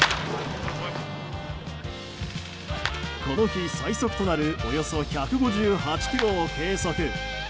この日、最速となるおよそ１５８キロを計測。